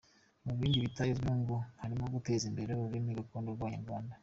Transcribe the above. Mu bindi bitagezweho ngo harimo guteza imbere ururimi gakondo rw’Abanyarwanda.